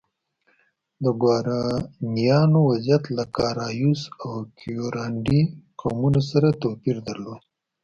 د ګورانیانو وضعیت له کارایوس او کیورانډي قومونو سره توپیر درلود.